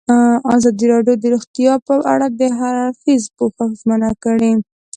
ازادي راډیو د روغتیا په اړه د هر اړخیز پوښښ ژمنه کړې.